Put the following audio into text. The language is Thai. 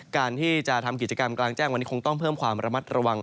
การที่จะทำกิจกรรมกลางแจ้งวันนี้คงต้องเพิ่มความระมัดระวัง